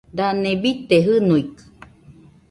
Dane bite jɨnuikɨ?